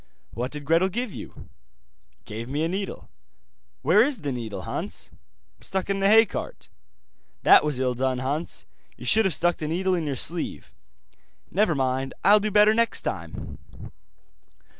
'What did Gretel give you?' 'Gave me a needle.' 'Where is the needle, Hans?' 'Stuck in the hay cart.' 'That was ill done, Hans. You should have stuck the needle in your sleeve.' 'Never mind, I'll do better next time.